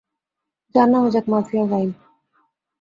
জাহান্নামে যাক মারফি আর রাইম।